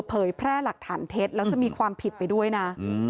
เผยแพร่หลักฐานเท็จแล้วจะมีความผิดไปด้วยนะ